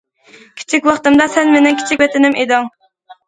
كىچىك ۋاقتىمدا سەن مېنىڭ كىچىك ۋەتىنىم ئىدىڭ.